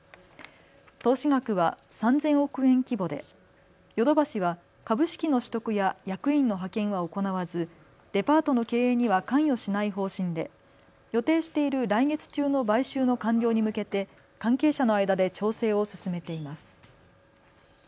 投資額は３０００億円規模でヨドバシは株式の取得や役員の派遣は行わず、デパートの経営には関与しない方針で予定している来月中の買収の完了に向けて関係者の間で調整を進めています。